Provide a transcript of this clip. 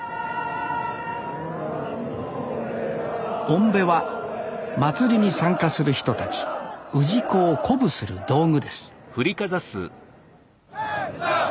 おんべは祭りに参加する人たち氏子を鼓舞する道具です